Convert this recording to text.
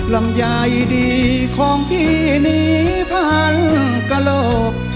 ลำไยดีของพี่นี้พันกระโหลก